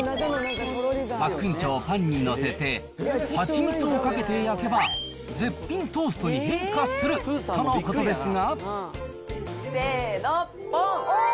パックンチョをパンに載せて、蜂蜜をかけて焼けば、絶品トーストに変化するとのことですが。